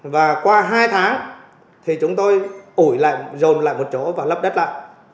và qua hai tháng thì chúng tôi ủi lạnh dồn lại một chỗ và lấp đất lại